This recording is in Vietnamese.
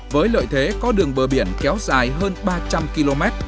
với lợi thế có đường bờ biển kéo dài hơn ba trăm linh km